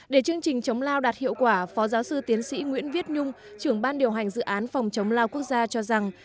để chương trình chống lao đạt hiệu quả phó giáo sư tiến sĩ nguyễn viết nhung trưởng ban điều hành dự án phòng chống lao quốc gia cho rằng